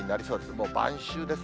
もう晩秋です。